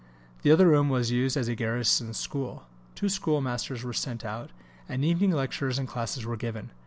The other room was used as a garrison school; two schoolmasters were sent out; and evening lectures and classes were given.